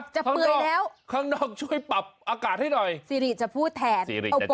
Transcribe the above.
จะเปลื้อแล้วข้างนอกช่วยปรับอากาศให้หน่อยซิริจะพูดแทนซิริจะจัดการ